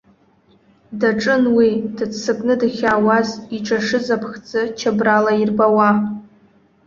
Даҿын уи, дыццакны дахьаауаз иҿашыз аԥхӡы чабрала ирбауа.